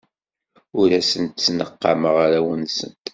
Ur asent-ttnaqameɣ arraw-nsent.